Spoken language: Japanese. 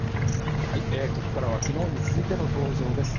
ここからは昨日に続いての登場です。